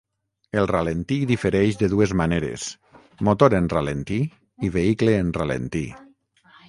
El ralentí difereix de dues maneres: motor en ralentí i vehicle en ralentí.